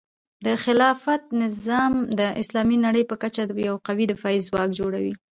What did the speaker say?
د خلافت نظام د اسلامي نړۍ په کچه یو قوي دفاعي ځواک جوړوي.